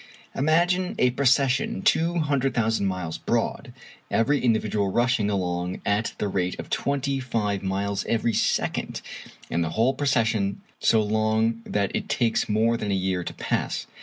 Imagine a procession 200,000 miles broad, every individual rushing along at the rate of twenty five miles every second, and the whole procession so long that it takes more than a year to pass.